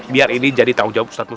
biar ini jadi tanggung jawab ustaz musa